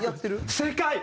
正解！